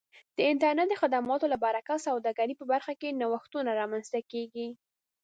د انټرنیټ د خدماتو له برکت د سوداګرۍ په برخه کې نوښتونه رامنځته کیږي.